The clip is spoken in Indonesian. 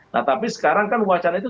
nah tapi sekarang kan wacana itu